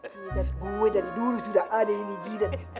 jidat gue dari dulu sudah ada ini jidat